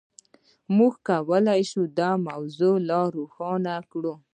موږ کولای شو دا موضوع لا روښانه کړو.